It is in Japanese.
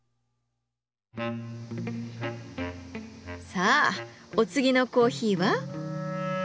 さあお次のコーヒーは？